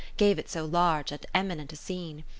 Gave it so large and eminent a scene.